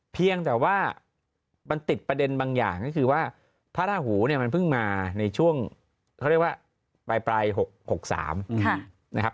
เพียงแต่ว่ามันติดประเด็นบางอย่างก็คือว่าพระราหูเนี่ยมันเพิ่งมาในช่วงเขาเรียกว่าปลาย๖๓นะครับ